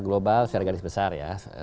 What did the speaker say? global secara garis besar ya